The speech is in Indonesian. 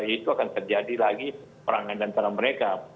itu akan terjadi lagi perangan antara mereka